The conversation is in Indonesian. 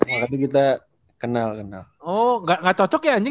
oh gak cocok ya anjing